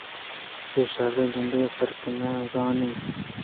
اے شرّءُ گندگ ءِ فرقءَ نہ زان اَنت